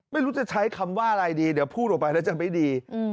ไม่รู้จะใช้คำว่าอะไรดีเดี๋ยวพูดออกไปแล้วจะไม่ดี